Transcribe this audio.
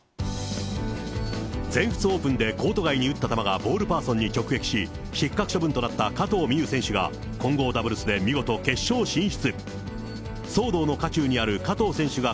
全仏オープンでコート外に打った球がボールパーソンに直撃し、失格処分となった加藤未唯選手が、「アタックＺＥＲＯ部屋干し」の新作。